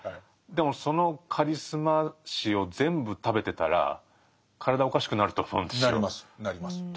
でもそのカリスマ視を全部食べてたら体おかしくなると思うんですよ。